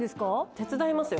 手伝いますよ。